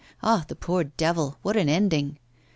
Ah! the poor devil! what an ending!